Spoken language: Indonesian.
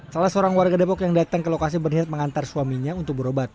salah seorang warga depok yang datang ke lokasi berniat mengantar suaminya untuk berobat